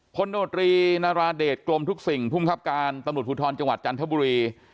โนตรีนาราเดชกลมทุกสิ่งภูมิคับการตำรวจภูทรจังหวัดจันทบุรี